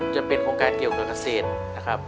จะเป็นโครงการเกี่ยวกับเกษตรนะครับ